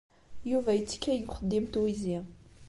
Yuba yettekkay deg uxeddim n twizi.